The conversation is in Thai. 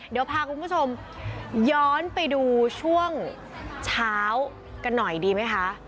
เดี๋ยวพาคุณผู้ชมย้อนไปดูช่วงเช้ากันหน่อยดีไหมคะ